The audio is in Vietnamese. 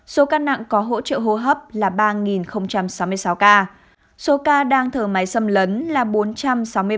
số ca nặng có hỗ trợ hô hấp là ba sáu mươi sáu ca số ca đang thở máy xâm lấn là bốn trăm sáu mươi ba ca